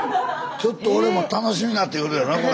ちょっと俺も楽しみになってくるよなこれ。